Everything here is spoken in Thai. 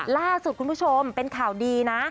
ล่าสุดคุณผู้ชมเป็นข่าวดีนะ